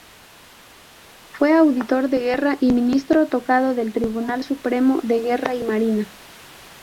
Fue auditor de guerra y ministro togado del Tribunal Supremo de Guerra y Marina.